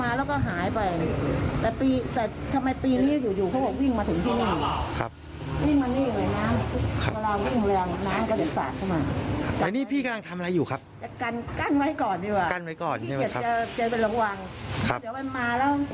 อยากกันไว้ก่อนดีกว่าจะเป็นระวังครับสำหรับเดี๋ยวอันมาแล้ว